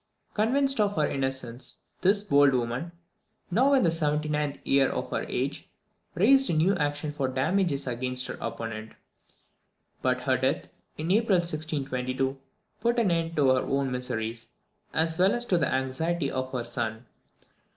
Convinced of her innocence, this bold woman, now in the 79th year of her age, raised a new action for damages against her opponent; but her death, in April 1622, put an end to her own miseries, as well as to the anxiety of her son.